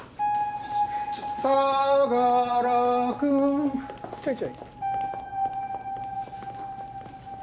さがら君ちょいちょい。